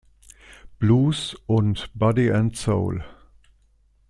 Blues" und "Body and Soul".